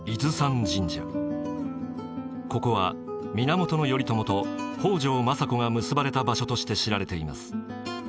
ここは源頼朝と北条政子が結ばれた場所として知られています。